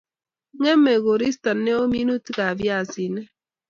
Ngemei koristo neo minutikap viasinik